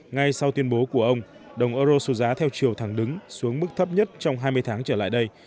ngay sau tuyên bố của ông đồng euro số giá theo chiều thẳng đứng xuống mức thấp nhất trong hai mươi tháng trở lại đây